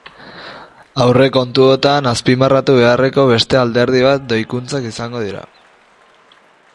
Aurrekontuotan azpimarratu beharreko beste alderdi bat doikuntzak izango dira.